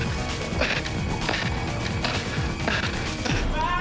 ああ！？